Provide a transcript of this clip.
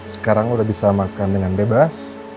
sekarang udah bisa makan dengan bebas